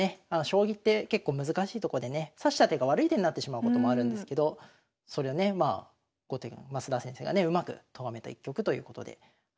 将棋って結構難しいとこでね指した手が悪い手になってしまうこともあるんですけどそれをねまあ後手が升田先生がねうまくとがめた一局ということで。